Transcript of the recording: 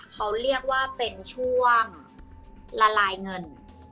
เขาเรียกว่าเป็นช่วงละลายเงิน